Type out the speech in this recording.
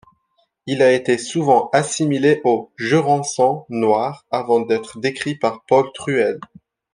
Il a été souvent assimilé au jurançon noir avant d'être décrit par Paul Truel.